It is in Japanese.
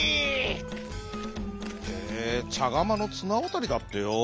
「へえちゃがまのつなわたりだってよ」。